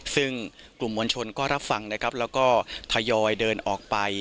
ซึ่งกลุ่มมวลชนก็รับฟังนะครับแล้วก็ทยอยเดินออกไป